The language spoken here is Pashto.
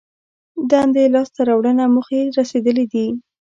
دندې لاس ته راوړنه موخې رسېدلي دي.